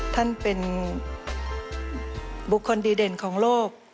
ท่านเป็นบุคคลดีเด่นของโลก